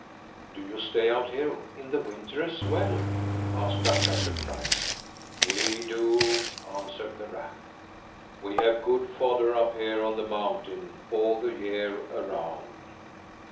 "Do you stay out here in the winter as well?" asked Akka, surprised. "We do," answered the ram. "We have good fodder up here on the mountain, all the year around."